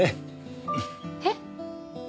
えっ？